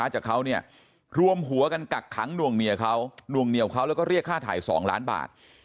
จากเขาเนี่ยรวมหัวกันกักขังหน่วงเหนียวเขานวงเหนียวเขาแล้วก็เรียกค่าถ่าย๒ล้านบาท